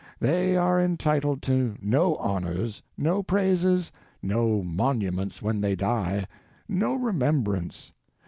They are entitled to no honors, no praises, no monuments when they die, no remembrance.